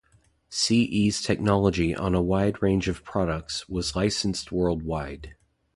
C-E's technology on a wide range of products was licensed worldwide.